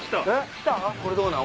これどうなん？